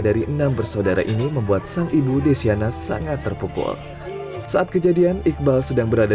dari enam bersaudara ini membuat sang ibu desiana sangat terpukul saat kejadian iqbal sedang berada